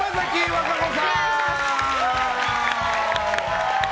和歌子さん！